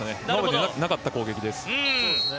だから、なかった攻撃です。